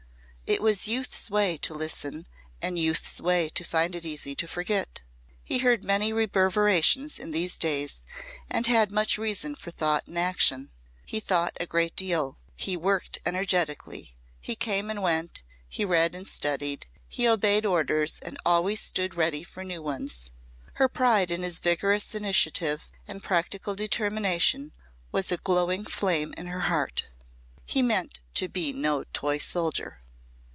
It was youth's way to listen and youth's way to find it easy to forget. He heard many reverberations in these days and had much reason for thought and action. He thought a great deal, he worked energetically, he came and went, he read and studied, he obeyed orders and always stood ready for new ones. Her pride in his vigorous initiative and practical determination was a glowing flame in her heart. He meant to be no toy soldier.